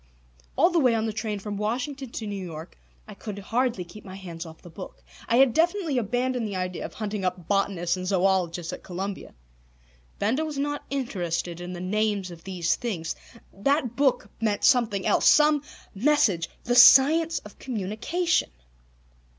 All the way on the train from Washington to New York I could hardly, keep my hands off the book. I had definitely abandoned the idea of hunting up botanists and zoologists at Columbia. Benda was not interested in the names of these things. That book meant something else. Some message. The Science of Communication!